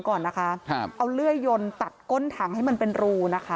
ก่อนนะคะครับเอาเลื่อยยนตัดก้นถังให้มันเป็นรูนะคะ